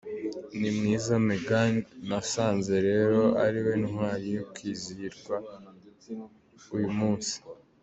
Nimwiza Meghan, nasanze rero ari we ntwari yo kwizihirwa uyu munsi.